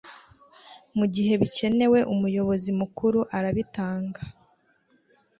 mu gihe bikenewe umuyobozi mukuru arabitanga